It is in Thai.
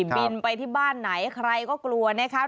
บินไปที่บ้านไหนใครก็กลัวนะครับ